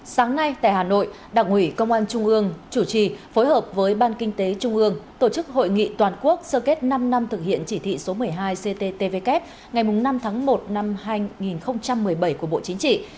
sáng nay tại hà nội đảng ủy công an trung ương chủ trì phối hợp với ban kinh tế trung ương tổ chức hội nghị toàn quốc sơ kết năm năm thực hiện chỉ thị số một mươi hai cttvk ngày năm tháng một năm hai nghìn một mươi bảy của bộ chính trị